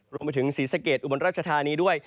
รวมไปถึงศรีสะเกดอุบลราชธานีด้วย